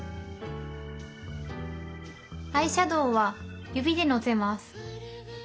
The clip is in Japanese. アイシャドーは指でのせます。